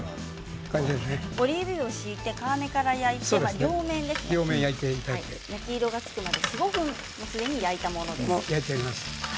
オリーブ油を引いて皮目から焼いて両面焼き色がつくまで４、５分焼いたものです。